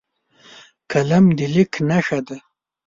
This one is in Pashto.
قلم د لیک نښه ده